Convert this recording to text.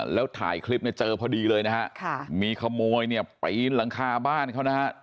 แล้วถ่ายคลิปเจอพอดีเลยนะครับมีขโมยไปหลังคาบ้านเขานะครับ